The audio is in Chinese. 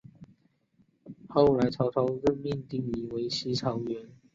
后来曹操任命丁仪为西曹掾。